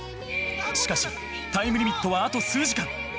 しかしタイムリミットはあと数時間。